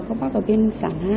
có bác ở bên sản hai